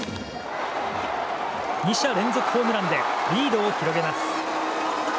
２者連続ホームランでリードを広げます。